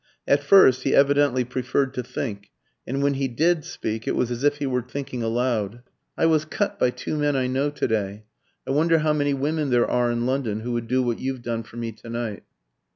At first he evidently preferred to think; and when he did speak, it was as if he were thinking aloud. "I was cut by two men I know to day. I wonder how many women there are in London who would do what you've done for me to night?"